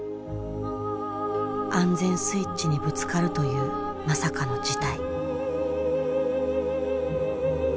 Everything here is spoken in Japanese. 安全スイッチにぶつかるというまさかの事態。